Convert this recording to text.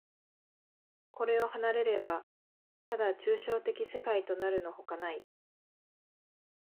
これを離れれば、ただ抽象的世界となるのほかない。